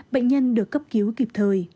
bệnh nhân được cấp cứu kịp thời